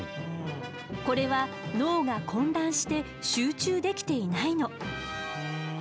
これは脳が混乱して集中できていないの。